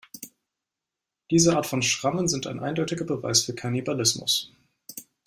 Diese Art von Schrammen sind ein eindeutiger Beweis für Kannibalismus.